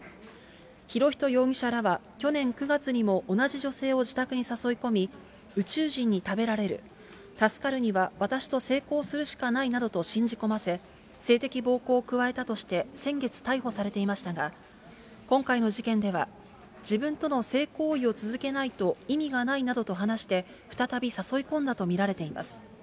博仁容疑者らは、去年９月にも同じ女性を自宅に誘い込み、宇宙人に食べられる、助かるには私と性交するしかないなどと信じ込ませ、性的暴行を加えたとして、先月逮捕されていましたが、今回の事件では、自分との性行為を続けないと意味がないなどと話して、再び誘い込んだと見られています。